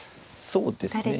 そうですね。